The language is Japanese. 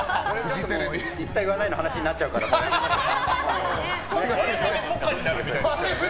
言った言わないの話になっちゃうからやめましょう。